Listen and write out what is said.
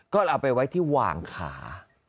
ก็เอาไปไว้ที่หว่างขา